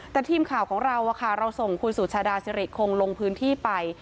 แต่ทีมข่าวของเราเราส่งคุณสุชาดาสิริคงลงพื้นที่ไป